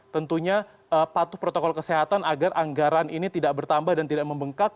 tentunya patuh protokol kesehatan agar anggaran ini tidak bertambah dan tidak membengkak